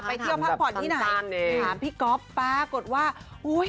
เที่ยวพักผ่อนที่ไหนถามพี่ก๊อฟปรากฏว่าอุ้ย